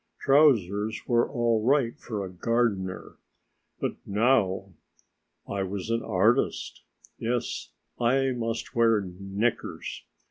Trousers were all right for a gardener, but now ... I was an artist! Yes, I must wear knickers.